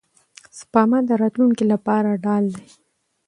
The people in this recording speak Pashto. سپما د راتلونکي لپاره ډال دی.